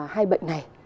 hai bệnh này